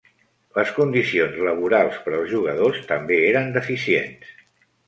Les condicions laborals per als jugadors també eren deficients.